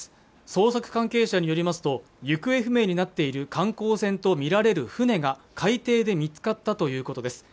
捜索関係者によりますと行方不明になっている観光船とみられる船が海底で見つかったということです